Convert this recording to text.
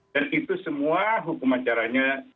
dan itu semua hukuman caranya